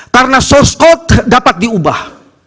karena source code dapat diubah